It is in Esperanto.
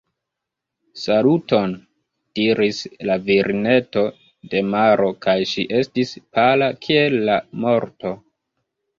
« Saluton », diris la virineto de maro kaj ŝi estis pala kiel la morto.